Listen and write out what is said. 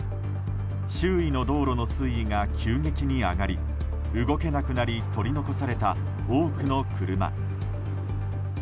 周囲の道路の水位が急激に上がり動けなくなり取り残された多くの車。